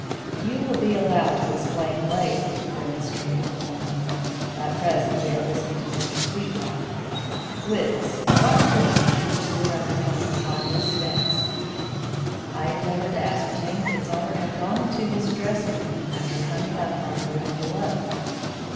"You will be allowed to explain later," remonstrated the coroner. "At present we are listening to Mr. Sweetwater. Witness, what course did you pursue after coming upon this vest?" "I endeavoured to ascertain if its owner had gone into his dressing room after coming up from the room below."